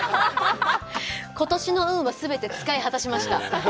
ことしの運は全て使い果たしました。